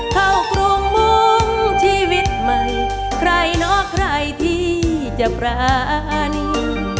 เข้ากรุงมุ้งชีวิตใหม่ใครเนาะใครที่จะปรานี